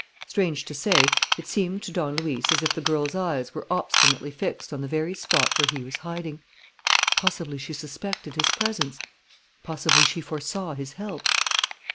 Strange to say, it seemed to Don Luis as if the girl's eyes were obstinately fixed on the very spot where he was hiding. Possibly she suspected his presence. Possibly she foresaw his help.